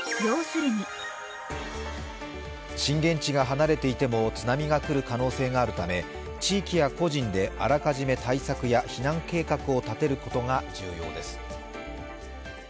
震源地が離れていても津波が来る可能性があるため地域や個人であらかじめ対策や避難計画を立てることが重要です。